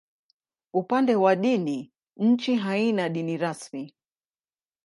Upande wa dini, nchi haina dini rasmi.